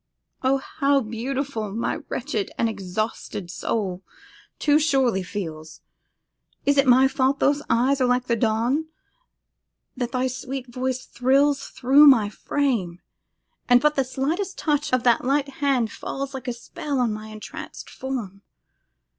Oh! how beautiful, my wretched and exhausted soul too surely feels! Is it my fault those eyes are like the dawn, that thy sweet voice thrills through my frame, and but the slightest touch of that light hand falls like a spell on my entranced form!